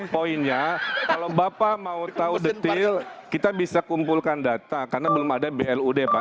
poinnya kalau bapak mau tahu detail kita bisa kumpulkan data karena belum ada blud pak